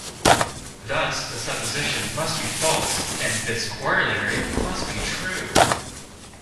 Thus the supposition must be false, and this corollary must be true.